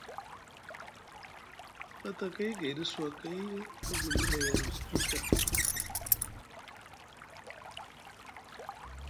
Platakay gayɗi suwakay agulɗi mayɗi musgum Ɵa.